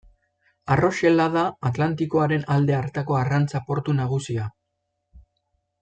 Arroxela da Atlantikoaren alde hartako arrantza portu nagusia.